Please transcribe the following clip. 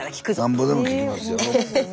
なんぼでも聴きますよ。ね